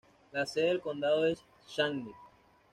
La sede del condado es Shawnee.